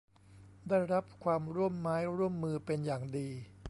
ได้รับความร่วมไม้ร่วมมือเป็นอย่างดี